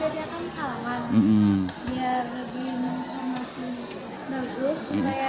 biar lebih menghentikan virus supaya tidak terkena virus